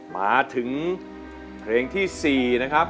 มาถึงเพลงที่๔นะครับ